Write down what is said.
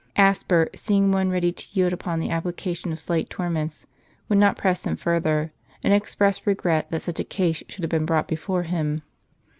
Asper, seeing one ready to yield upon the application of slight torments, would not press him further; and expressed regret that such a case should have been brought before him.